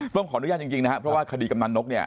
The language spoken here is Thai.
ต้องขออนุญาตจริงนะครับเพราะว่าคดีกำนันนกเนี่ย